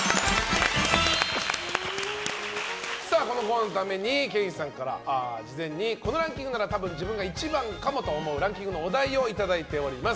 このコーナーのためにケインさんから事前にこのランキングなら多分、自分が１番かもと思うランキングのお題をいただいております。